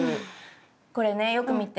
これねよく見て。